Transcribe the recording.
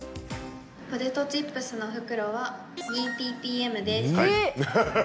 ポテトチップスの袋は２ｐｐｍです。